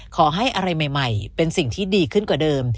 ขอให้อะไรใหม่เป็นสิ่งที่ดีขึ้นกว่าเดิม